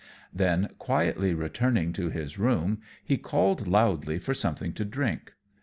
Then, quietly returning to his room, he called loudly for something to drink.